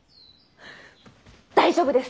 大丈夫です。